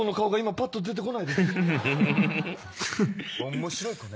面白い子ね。